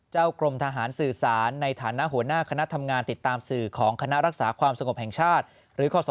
กรมทหารสื่อสารในฐานะหัวหน้าคณะทำงานติดตามสื่อของคณะรักษาความสงบแห่งชาติหรือคศ